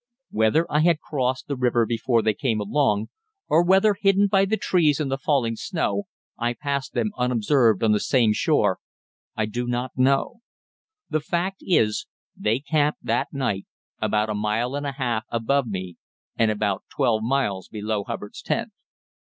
Whether I had crossed the river before they came along, or whether, hidden by the trees and the falling snow, I passed them unobserved on the same shore, I do not know; the fact is, they camped that night about a mile and a half above me, and about twelve miles below Hubbard's tent.